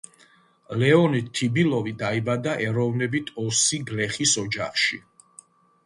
ლეონიდ თიბილოვი დაიბადა ეროვნებით ოსი გლეხის ოჯახში.